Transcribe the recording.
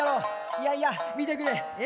「いやいや見てくれ。